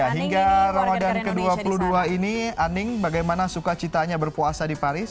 hingga ramadan ke dua puluh dua ini aning bagaimana suka citanya berpuasa di paris